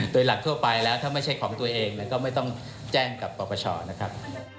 โดยหลักทั่วไปแล้วถ้าไม่ใช่ของตัวเองก็ไม่ต้องแจ้งกับปปชนะครับ